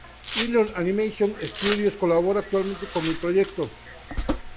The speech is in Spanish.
Ilion Animation Studios colabora activamente con el proyecto.